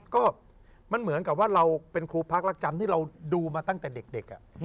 ก็มันเหมือนกับว่าเราเป็นครูพักรักจำที่เราดูมาตั้งแต่เด็ก